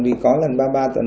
vì có lần ba mươi ba tuần